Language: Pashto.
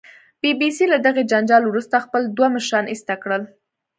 بي بي سي له دغې جنجال وروسته خپل دوه مشران ایسته کړل